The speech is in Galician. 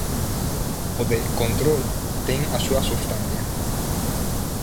O de "control" ten a súa substancia.